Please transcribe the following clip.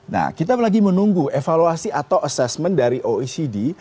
nah kita lagi menunggu evaluasi atau assessment dari oecd